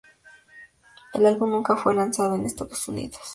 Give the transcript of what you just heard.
El álbum nunca fue lanzado en Estados Unidos.